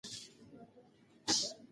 د عاید تمه مې نه وه کړې.